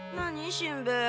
しんべヱ。